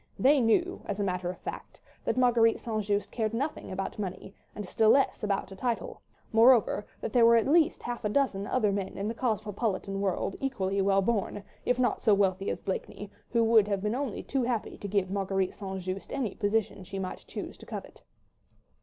They knew, as a matter of fact, that Marguerite St. Just cared nothing about money, and still less about a title; moreover, there were at least half a dozen other men in the cosmopolitan world equally well born, if not so wealthy as Blakeney, who would have been only too happy to give Marguerite St. Just any position she might choose to covet.